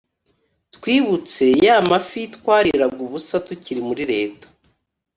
twibutse ya mafi twariraga ubusa tukiri muri leta